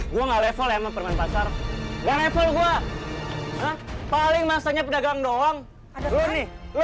gua nggak level yang pernah pasar dan level gua paling maksudnya pedagang doang ada nih lu